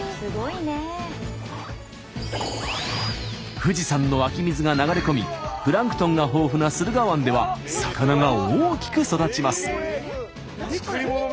富士山の湧き水が流れ込みプランクトンが豊富な駿河湾では魚が大きく育ちます。